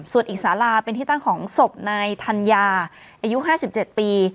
ส่วนอีกสาลาเป็นที่ตั้งของศพนายธัญญาอายุ๕๗ปี